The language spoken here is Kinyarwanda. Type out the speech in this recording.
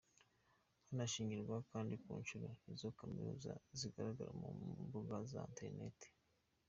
Hanashingirwa kandi ku nshuro izo kaminuza zigaragara ku mbuga za Internet.